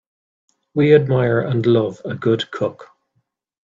We admire and love a good cook.